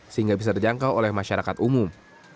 sehingga bisa terjangkau oleh masyarakat umum